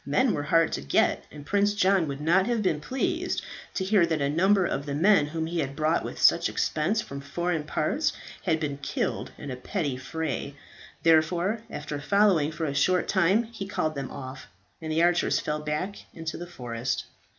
Men were hard to get, and Prince John would not have been pleased to hear that a number of the men whom he had brought with such expense from foreign parts had been killed in a petty fray. Therefore after following for a short time he called them off, and the archers fell back into the forest.